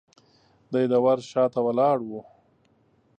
دی د ور شاته ولاړ و.